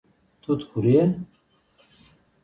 توت خوري